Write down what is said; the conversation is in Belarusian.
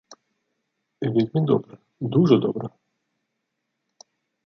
Вельмі добра, дужа добра!